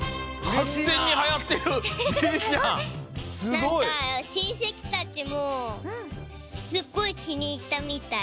なんかしんせきたちもすっごいきにいったみたい。